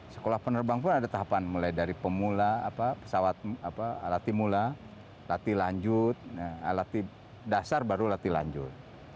sekolah penerbang pun ada tahapan mulai dari pemula apa pesawat apa latih mula latih lanjut latih dasar baru latih lanjut